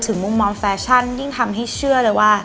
มุมมองแฟชั่นยิ่งทำให้เชื่อเลยว่า